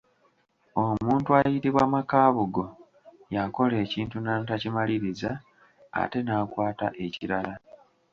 Omuntu ayitibwa Makaabugo y'akola ekintu n’atakimaliriza ate n’akwata ekirala.